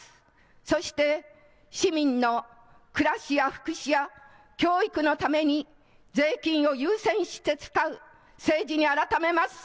そして、市民の暮らしや福祉や教育のために税金を優先して使う政治に改めます。